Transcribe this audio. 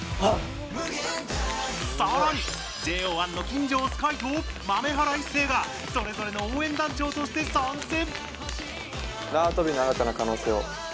さらに、ＪＯ１の金城碧海と豆原一成がそれぞれの応援団長として参戦。